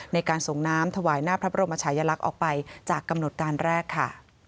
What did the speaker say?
ในการส่งน้ำถวายหน้าพระบรมชายลักษณ์ออกไปจากกำหนดการแรกค่ะ